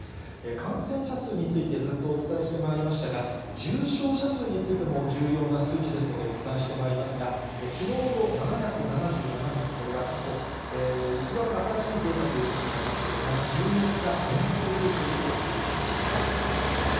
感染者数についてずっとお伝えしてまいりましたが、重症者数についても、重要な数値ですので、お伝えしてまいりますが、きのうの７７７人、これが過去一番新しいデータということになりますけれども、１４日連続で増えているということです。